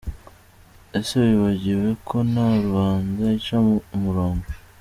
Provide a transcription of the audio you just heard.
Ese wibagiwe ko na Rubanda ica umurongo?